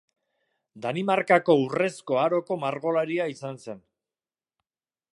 Danimarkako Urrezko Aroko margolaria izan zen.